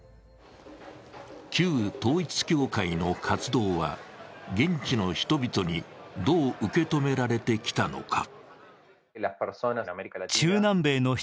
旧統一教会の活動は、現地の人々にどう受け止められてきたのか。